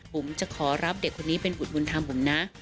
ผมจะขอรับเด็กคนนี้เป็นบุตรบุญธรรมผมนะ